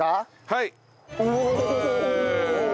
はい。